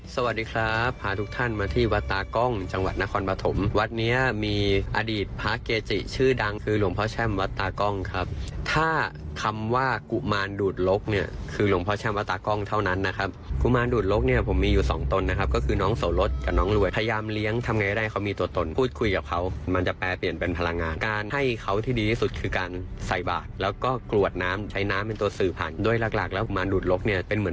สวัสดีครับพาทุกท่านมาที่วัดตากล้องจังหวัดนครปฐมวัดเนี่ยมีอดีตพระเกจิชื่อดังคือหลวงพระเช่มวัดตากล้องครับถ้าคำว่ากุมารดูดลกเนี่ยคือหลวงพระเช่มวัดตากล้องเท่านั้นนะครับกุมารดูดลกเนี่ยผมมีอยู่สองตนนะครับก็คือน้องโสรสกับน้องรวยพยายามเลี้ยงทำไงได้เขามีตัวตนพูดคุยกับเขามันจะแ